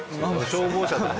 消防車の。